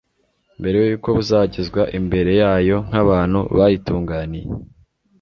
mbere yuko buzagezwa imbere yayo nkabantu bayitunganiye